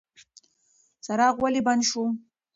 څراغ ولې بند شو؟